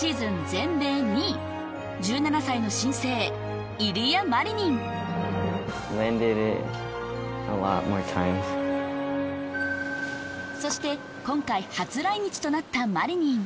全米２位１７歳の新星イリア・マリニンそして今回初来日となったマリニン